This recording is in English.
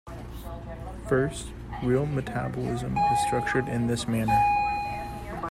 First, real metabolism is structured in this manner.